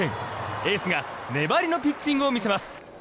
エースが粘りのピッチングを見せます。